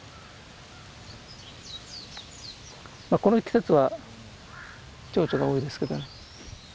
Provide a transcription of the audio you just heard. この季節は蝶々が多いですけどね。